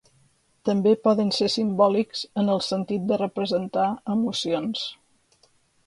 També poden ser simbòlics en el sentit de representar emocions